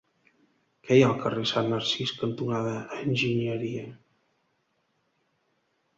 Què hi ha al carrer Sant Narcís cantonada Enginyeria?